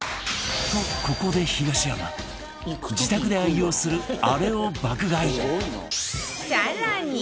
とここで東山自宅で愛用するあれを爆買い更に